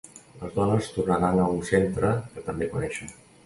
Les dones tornaran a un centre que també coneixen.